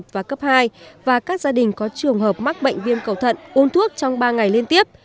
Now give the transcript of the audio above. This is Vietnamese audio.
và cấp hai và các gia đình có trường hợp mắc bệnh viêm cầu thận uống thuốc trong ba ngày liên tiếp